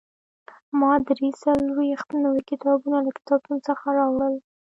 ما درې څلوېښت نوي کتابونه له کتابتون څخه راوړل.